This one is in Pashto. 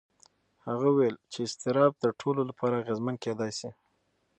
هغه وویل چې اضطراب د ټولو لپاره اغېزمن کېدای شي.